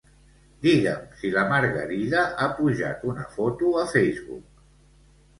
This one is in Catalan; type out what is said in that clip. Digue'm si la Margarida ha pujat una foto a Facebook.